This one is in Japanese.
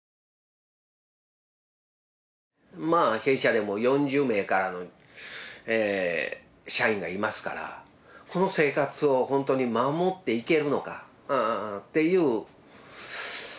まあ弊社でも４０名からの社員がいますからこの生活を本当に守っていけるのかっていう。